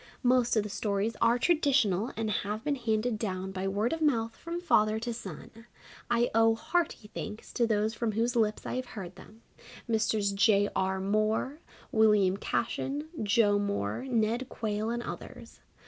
Most of the stories are traditional and have been handed down by word of mouth from father to son. I owe hearty thanks to those from whose lips I have heard them Messrs. J. R. Moore, William Cashen, Joe Moore, Ned Quayle and others.